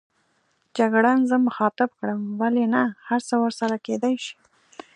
جګړن زه مخاطب کړم: ولې نه، هرڅه ورسره کېدای شي.